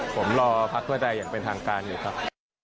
ผมรอพักเพื่อไทยอย่างเป็นทางการอยู่ครับ